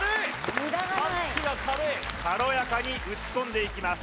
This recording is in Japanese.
無駄がない軽やかに打ち込んでいきます